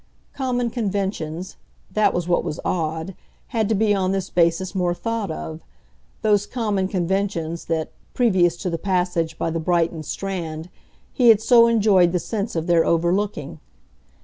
Common conventions that was what was odd had to be on this basis more thought of; those common conventions that, previous to the passage by the Brighton strand, he had so enjoyed the sense of their overlooking.